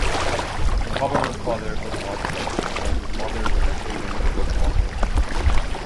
Hoberman's father was an architect, and his mother was a children's book author.